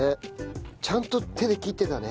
ちゃんと手で切ってたね。